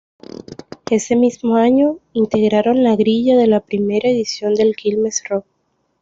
Ese mismo año integraron la grilla de la primera edición del Quilmes Rock.